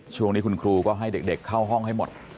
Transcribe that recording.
ช่วงนี้คุณครูก็ให้เด็กเข้าห้องให้หมด